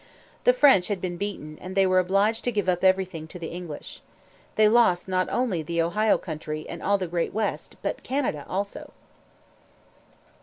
The French had been beaten, and they were obliged to give up everything to the English. They lost not only the Ohio Country and all the great West, but Canada also.